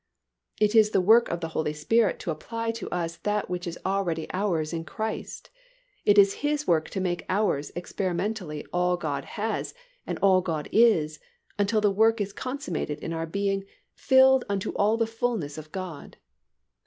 It is the work of the Holy Spirit to apply to us that which is already ours in Christ. It is His work to make ours experimentally all God has and all God is, until the work is consummated in our being "filled unto all the fullness of God."